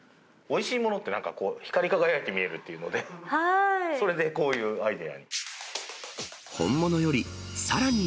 おいしいものって、なんかこう、光り輝いて見えるっていうので、それでこういうアイデアに。